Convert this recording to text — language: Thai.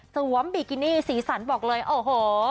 บิกินี่สีสันบอกเลยโอ้โห